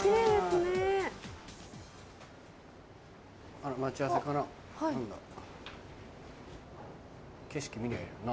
あら待ち合わせかな？